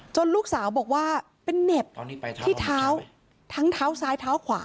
ลูกสาวบอกว่าเป็นเหน็บที่เท้าทั้งเท้าซ้ายเท้าขวา